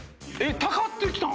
たかってきたん？